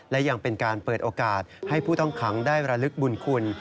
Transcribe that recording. และยังเป็นการเปิดโอกาสให้ผู้ต้องขังได้ระลึกบุญคุณ